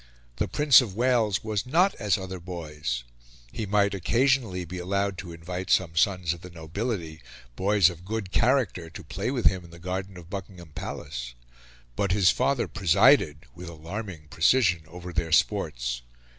The Prince of Wales was not as other boys; he might, occasionally, be allowed to invite some sons of the nobility, boys of good character, to play with him in the garden of Buckingham Palace; but his father presided, with alarming precision, over their sports.